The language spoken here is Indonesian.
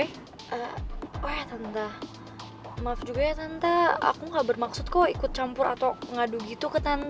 eh tante maaf juga ya santa aku gak bermaksud kok ikut campur atau ngadu gitu ke tante